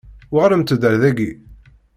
Uɣalemt-d ar daki.